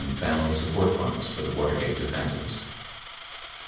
family support funds for the Watergate defendants.